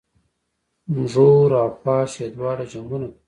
مږور او خواښې دواړه جنګونه کوي